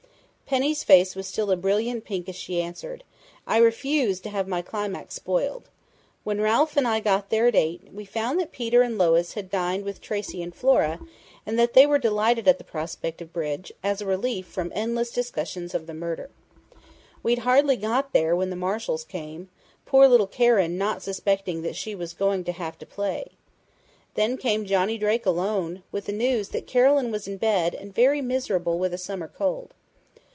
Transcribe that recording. Penny's face was still a brilliant pink as she answered: "I refuse to have my climax spoiled!... When Ralph and I got there at eight, we found that Peter and Lois had dined with Tracey and Flora and that they were delighted at the prospect of bridge, as a relief from endless discussions of the murder. We'd hardly got there when the Marshalls came, poor little Karen not suspecting that she was going to have to play. Then came Johnny Drake alone, with the news that Carolyn was in bed and very miserable with a summer cold.